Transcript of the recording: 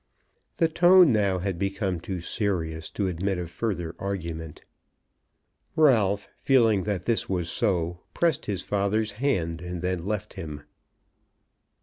The tone now had become too serious to admit of further argument. Ralph, feeling that this was so, pressed his father's hand and then left him.